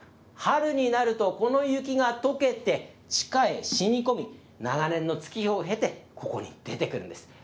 春になると、この雪がとけて、地下へしみこみ、長年の月日を経て、ここに出てくるんです。